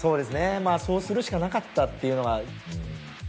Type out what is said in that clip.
まぁそうするしかなかったっていうのが。